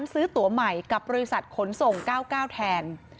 หรือบริษัทเทคประเสริม